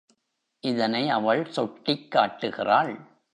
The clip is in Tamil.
இதனை அவள் சுட்டிக் காட்டுகிறாள்.